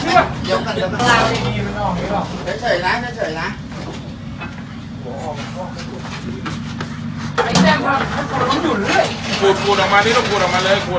แจ้มไม่อยู่ตรงนู้นแล้วมาอันนี้แล้วมาอันนี้แล้ว